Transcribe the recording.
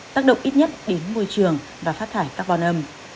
tác động ít nhất đến môi trường và phát thải carbon âm